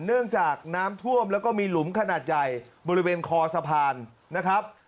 เนื่องจากน้ำท่วมแล้วก็มีหลุมขนาดใหญ่บริเวณคอสะพานนะครับ